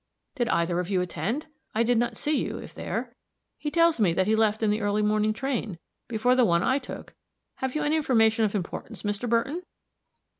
Did either of you attend? I did not see you, if there. He tells me that he left in the early morning train, before the one I took. Have you any information of importance, Mr. Burton?"